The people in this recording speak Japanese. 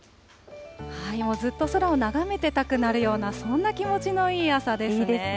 もうずっと空を眺めてたくなるような、そんな気持ちのいい朝ですね。